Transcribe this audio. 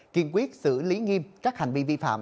kiên quyết xử lý nghiêm các hành vi vi phạm